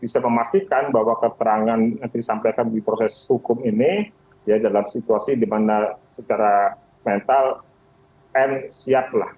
bisa memastikan bahwa keterangan yang disampaikan di proses hukum ini ya dalam situasi dimana secara mental m siap lah